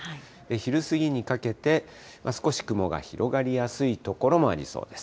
昼過ぎにかけて、少し雲が広がりやすい所もありそうです。